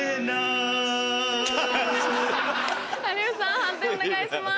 判定お願いします。